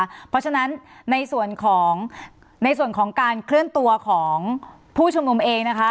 เพราะฉะนั้นในส่วนของในส่วนของการเคลื่อนตัวของผู้ชุมนุมเองนะคะ